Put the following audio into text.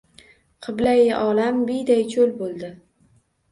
Qiblai olam biyday cho‘l bo‘ldi.